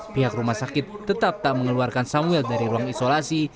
pihak rumah sakit tetap tak mengeluarkan samuel dari ruang isolasi